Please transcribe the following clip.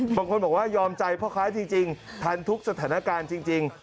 บางคนบอกว่ายอมใจพ่อค้าจริงทันทุกสถานการณ์จริง